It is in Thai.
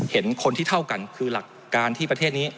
เห็นคนที่เท่ากันคือหลักการที่ประเทศนี้